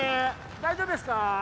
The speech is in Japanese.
大丈夫ですか？